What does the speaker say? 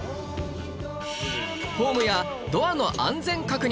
ホームやドアの安全確認